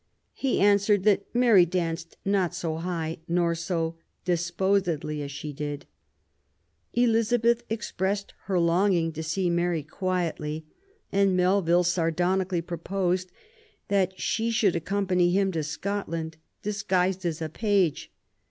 He answered that Mary danced not so high nor so disposedly as she did *'. Elizabeth expressed her longing to see Mary quietly, and Melville sardonically proposed that she should ac company v him to Scotland, disguised as a page.